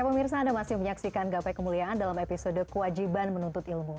pemirsa anda masih menyaksikan gapai kemuliaan dalam episode kewajiban menuntut ilmu